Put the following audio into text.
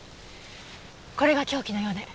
これが凶器のようね。